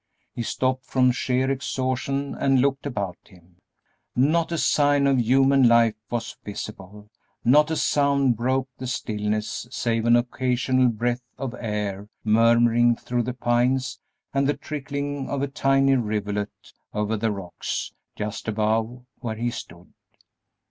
He stopped from sheer exhaustion and looked about him. Not a sign of human life was visible; not a sound broke the stillness save an occasional breath of air murmuring through the pines and the trickling of a tiny rivulet over the rocks just above where he stood.